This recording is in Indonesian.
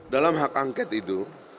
dalam hak angket itu